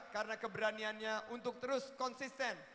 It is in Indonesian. karena keberaniannya untuk terus konsisten